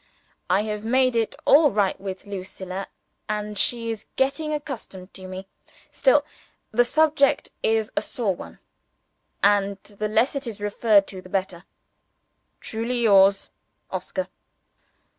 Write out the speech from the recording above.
I have made it all right with Lucilla, and she is getting accustomed to me. Still, the subject is a sore one; and the less it is referred to the better. Truly yours, "OSCAR."